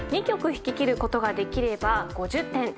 ２曲弾ききることができれば５０点。